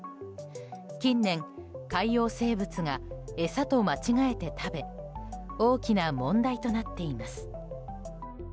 近年、海洋生物が餌と間違えて食べ大きな問題となっています。